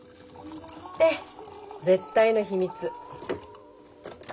ええ絶対の秘密。